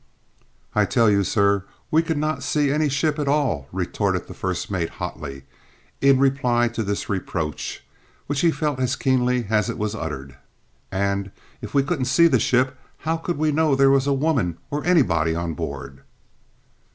"I tell you, sir, we could not see any ship at all!" retorted the first mate hotly, in reply to this reproach, which he felt as keenly as it was uttered. "And if we couldn't see the ship, how could we know there was a woman or anybody aboard?"